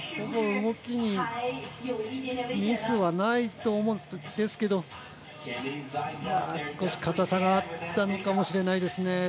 ほぼ動きにミスはないと思うんですが少し固さがあったのかもしれないですね。